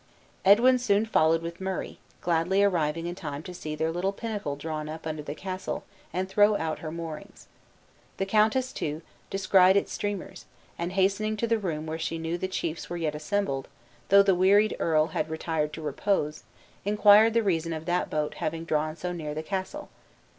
Edwin soon followed with Murray, gladly arriving in time enough to see their little pinnacle draw up under the castle and throw out her moorings. The countess, too, descried its streamers, and hastening into the room where she knew the chiefs were yet assembled, though the wearied earl had retired to repose, inquired the reason of that boat having drawn so near the castle.